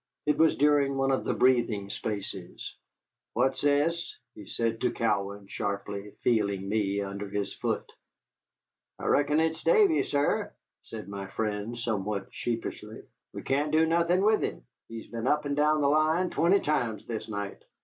It was during one of the breathing spaces. "What's this?" said he to Cowan, sharply, feeling me with his foot. "I reckon it's Davy, sir," said my friend, somewhat sheepishly. "We can't do nothin' with him. He's been up and down the line twenty times this night."